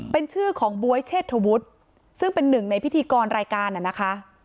เป็นชื่อของบ๊วยเชษฐวุฒิซึ่งเป็นหนึ่งในพิธีกรรายการน่ะนะคะ